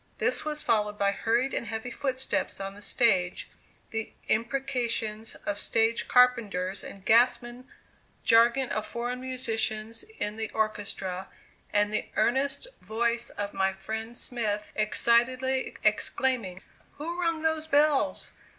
This was followed by hurried and heavy footsteps on the stage, the imprecations of stage carpenters and gasmen, jargon of foreign musicians in the orchestra, and the earnest voice of my friend Smith excitedly exclaiming: "Who rung those bells?